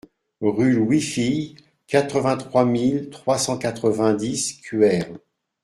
Rue Louis Fille, quatre-vingt-trois mille trois cent quatre-vingt-dix Cuers